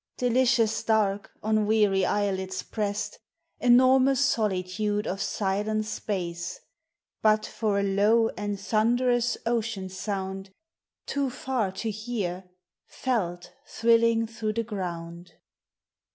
Delicious dark on weary eyelids prest ! Enormous solitude of silent space, But for a low and thunderous ocean sound. Too far to hear, felt thrilling through the ground.